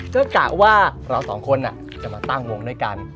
ก็กะว่าเราสองคนจะมาตั้งวงด้วยกัน